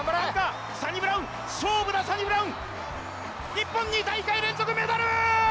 日本、２大会連続メダル！